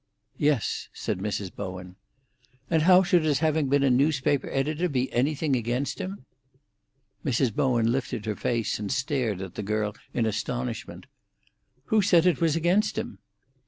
"Yes," said Mrs. Bowen. "And how should his having been a newspaper editor be anything against him?" Mrs. Bowen lifted her face and stared at the girl in astonishment. "Who said it was against him?"